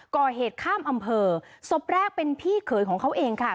ก่อเหตุข้ามอำเภอศพแรกเป็นพี่เขยของเขาเองค่ะ